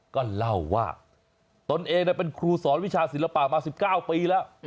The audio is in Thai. ก็เล่าว่าตนเองเป็นครูสอนวิชาศิลปะมา๑๙ปีแล้ว